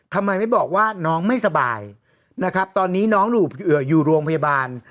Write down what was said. ทำไมไม่บอกว่าน้องไม่สบายนะครับตอนนี้น้องอยู่โรงพยาบาล